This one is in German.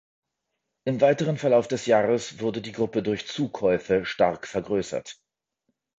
Im weiteren Verlauf des Jahres wurde die Gruppe durch Zukäufe stark vergrößert.